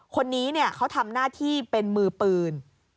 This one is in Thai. คนนี้เขาทำหน้าที่เป็นมือปืน